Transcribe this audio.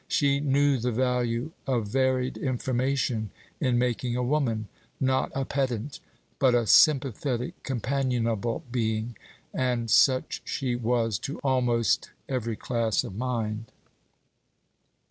She knew the value of varied information in making a woman, not a pedant, but a sympathetic, companionable being; and such she was to almost every class of mind.